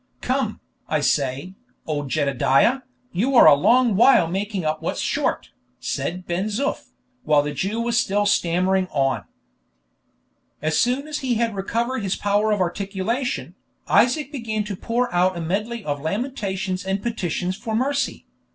"Come, I say, old Jedediah, you are a long while making up what's short," said Ben Zoof, while the Jew was still stammering on. As soon as he recovered his power of articulation, Isaac began to pour out a medley of lamentations and petitions for mercy.